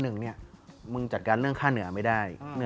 มึงเนี่ยมึงจัดการเรื่องค่าเหนือไม่ได้